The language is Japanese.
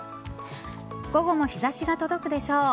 午後も日差しが届くでしょう。